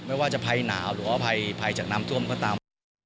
ไม่ว่าจะภัยหนาวหรือว่าภัยจากน้ำท่วมก็ตาม